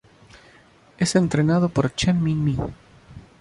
Es entrenado por Chen Ming Mi.